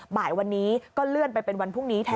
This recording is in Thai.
บ่ายวันนี้ก็เลื่อนไปเป็นวันพรุ่งนี้แทน